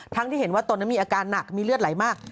ที่เห็นว่าตนนั้นมีอาการหนักมีเลือดไหลมาก